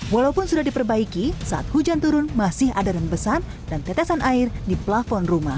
walaupun sudah diperbaiki saat hujan turun masih ada rembesan dan tetesan air di plafon rumah